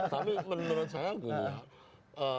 tapi menurut saya gini ya